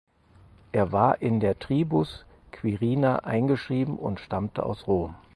Er war in der Tribus "Quirina" eingeschrieben und stammte aus Rom.